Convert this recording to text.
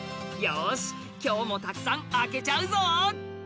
よし今日もたくさん開けちゃうぞ！